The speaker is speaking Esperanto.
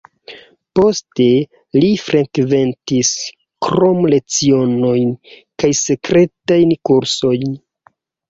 Poste li frekventis kromlecionojn kaj sekretajn kursojn.